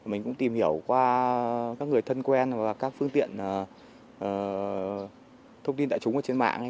mình cũng tìm hiểu qua các người thân quen và các phương tiện thông tin đại chúng trên mạng